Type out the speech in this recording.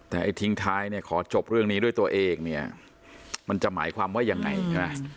แต่ไอ้ทิ้งท้ายเนี่ยขอจบเรื่องนี้ด้วยตัวเองเนี่ยมันจะหมายความว่ายังไงใช่ไหม